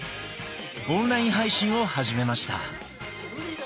オンライン配信を始めました。